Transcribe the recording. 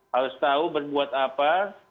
harus tahu berbuat apa